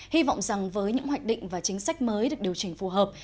hy vọng rằng với những hoạch định và chính sách mới được điều chỉnh phù hợp